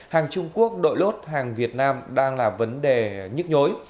hàng trung quốc đội lốt hàng việt nam đang là vấn đề nhức nhối